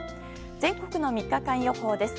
全国の３日間予報です。